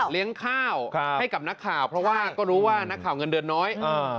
ข้าวให้กับนักข่าวเพราะว่าก็รู้ว่านักข่าวเงินเดือนน้อย